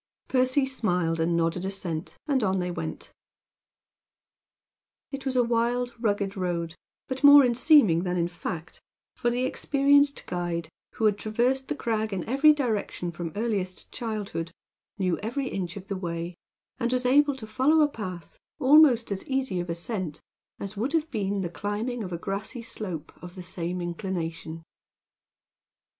Percy smiled and nodded assent, and on they went. It was a wild, rugged road, but more in the seeming than in fact, for the experienced guide, who had traversed the crag in every direction from earliest childhood, knew every inch of the way, and was able to follow a path almost as easy of ascent as would have been the climbing of a grassy slope of the same inclination.